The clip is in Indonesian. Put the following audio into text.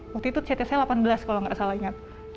waktu itu ctc delapan belas kalau nggak salah ingat